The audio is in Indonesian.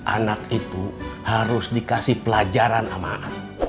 anak itu harus dikasih pelajaran amanah